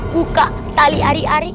buka tali ari ari